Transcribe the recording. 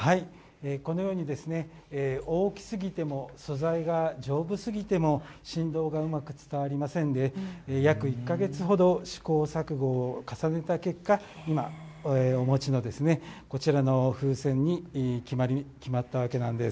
このように大きすぎても素材が丈夫すぎても振動がうまく伝わりませんで、約１か月ほど試行錯誤を重ねた結果、今お持ちのこちらの風船に決まったわけなんです。